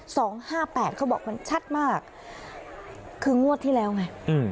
สองห้าแปดเขาบอกมันชัดมากคืองวดที่แล้วไงอืม